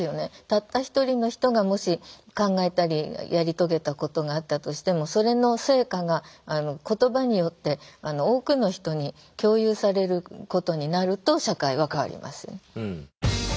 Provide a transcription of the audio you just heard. たった一人の人がもし考えたりやり遂げたことがあったとしてもそれの成果が言葉によって多くの人に共有されることになると社会は変わります。